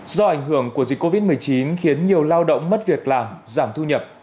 do ảnh hưởng của dịch covid một mươi chín khiến nhiều lao động mất việc làm giảm thu nhập